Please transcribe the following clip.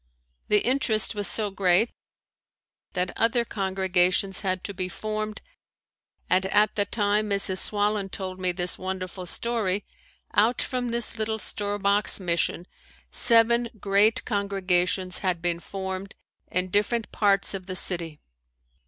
The interest was so great that other congregations had to be formed and at the time Mrs. Swallen told me this wonderful story, out from this little store box mission seven great congregations had been formed in different parts of the city.